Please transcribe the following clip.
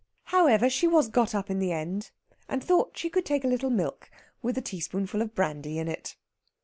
However, she was got up in the end, and thought she could take a little milk with a teaspoonful of brandy in it.